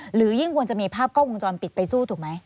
หรือยิ่งควรจะมีภาพกล้องวงจรปิดไปสู้ถูกไหม